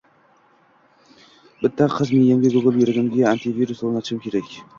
Bitta qiz Miyamga Google, yuragimga AntiVirus o'rnatishim kerak!